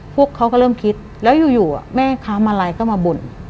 พวกเขาก็เริ่มคิดแล้วอยู่แม่ค้ามาลัยก็มาบ่น